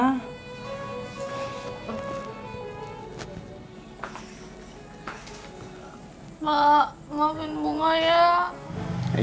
pak maafin bunga ya